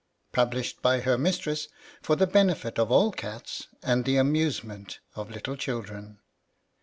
PUBLISHED BY HER MISTRESS JFor tlje asenefit of all Cats AND THE AMUSEMENT OF LITTLE CHILDREN.